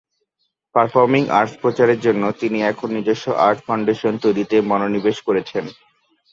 Performing arts প্রচারের জন্য তিনি এখন নিজস্ব আর্ট ফাউন্ডেশন তৈরিতে মনোনিবেশ করছেন।